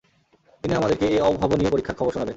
তিনি আমাদেরকে এ অভাবনীয় পরীক্ষার খবর শুনাবেন।